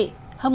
thưa quý vị